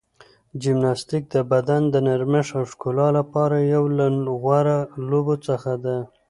جمناستیک د بدن د نرمښت او ښکلا لپاره یو له غوره لوبو څخه ده.